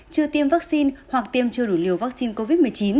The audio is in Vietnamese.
chưa tiêm vaccine hoặc tiêm chưa đủ liều vaccine covid một mươi chín